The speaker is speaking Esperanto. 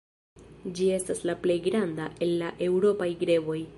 Ĝi estas la plej granda el la eŭropaj greboj.